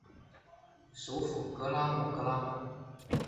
首府戈罗姆戈罗姆。